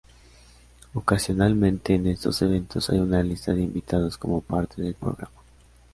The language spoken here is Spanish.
Ocasionalmente en estos eventos hay una lista de invitados como parte del programa.